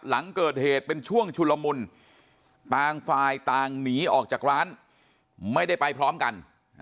หลังเกิดเหตุเป็นช่วงชุลมุนต่างฝ่ายต่างหนีออกจากร้านไม่ได้ไปพร้อมกัน